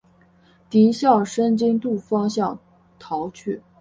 敌向申津渡方向逃去。